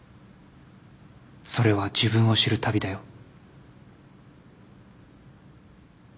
それは自分を知る旅だよ。